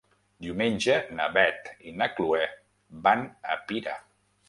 Diumenge na Beth i na Chloé van a Pira.